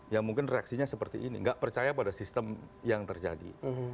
ya mungkin reaksinya seperti ini nggak percaya pada sistem yang terjadi